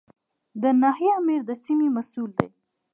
د ناحیې آمر د سیمې مسوول دی